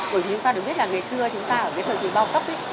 bởi vì chúng ta được biết là ngày xưa chúng ta ở cái thời kỳ bao cấp ấy